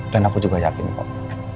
dan aku juga yakin kok